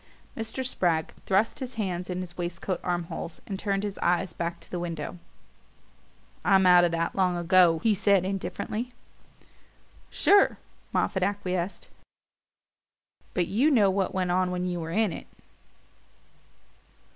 Mr. Spragg thrust his hands in his waistcoat arm holes and turned his eyes back to the window. "I'm out of that long ago," he said indifferently. "Sure," Moffatt acquiesced; "but you know what went on when you were in it."